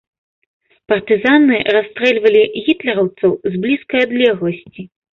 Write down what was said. Партызаны расстрэльвалі гітлераўцаў з блізкай адлегласці.